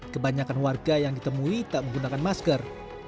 kebanyakan warga yang ditemui tak menggunakan masker